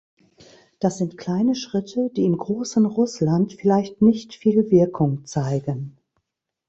Das sind kleine Schritte, die im großen Russland vielleicht nicht viel Wirkung zeigen.